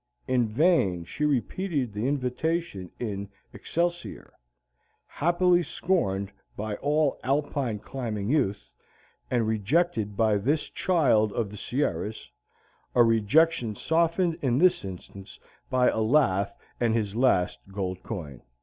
In vain she repeated the invitation in "Excelsior," happily scorned by all Alpine climbing youth, and rejected by this child of the Sierras, a rejection softened in this instance by a laugh and his last gold coin.